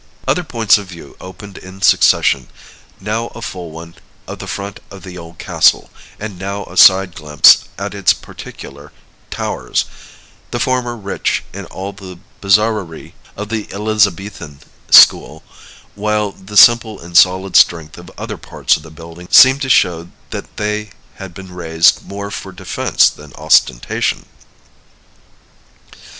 Other points of view opened in succession; now a full one, of the front of the old castle, and now a side glimpse at its particular towers; the former rich in all the bizarrerie of the Elizabethan school, while the simple and solid strength of other parts of the building seemed to show that they had been raised more for defense than ostentation.